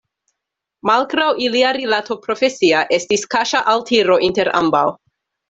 Malgraŭ ilia rilato profesia estis kaŝa altiro inter ambaŭ.